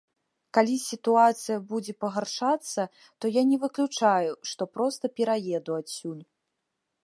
Калі сітуацыя будзе пагаршацца, то я не выключаю, што проста пераеду адсюль.